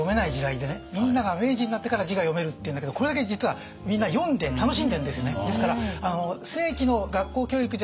みんなが明治になってから字が読めるっていうんだけどこれだけ実はみんな読んで楽しんでんですね。